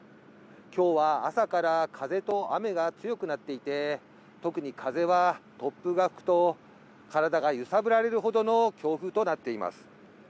今日は朝から風と雨が強くなっていて、特に風は突風が吹くと体が揺さぶられるほどの強風となっています。